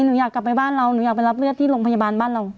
หนูอยากกลับไปบ้านเราหนูอยากไปรับเลือดที่โรงพยาบาลบ้านเรา